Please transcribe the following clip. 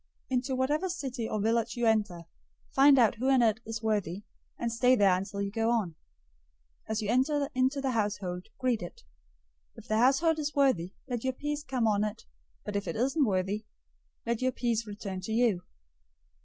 010:011 Into whatever city or village you enter, find out who in it is worthy; and stay there until you go on. 010:012 As you enter into the household, greet it. 010:013 If the household is worthy, let your peace come on it, but if it isn't worthy, let your peace return to you.